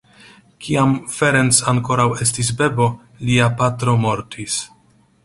Kiam Ferenc ankoraŭ estis bebo, lia patro mortis.